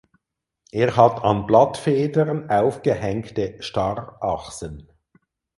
Er hat an Blattfedern aufgehängte Starrachsen.